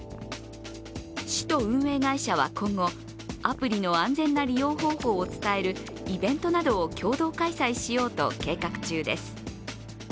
市と運営会社は今後、アプリの安全な利用方法を伝えるイベントなどを共同開催しようと計画中です。